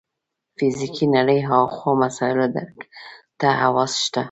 فزیکي نړۍ هاخوا مسایلو درک ته حواس شته.